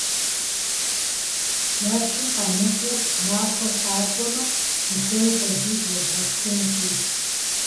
Жэщым къэмыкӀуэу махуэм къакӀуэмэ, зыхуейм хуэдиз езгъэшхынти!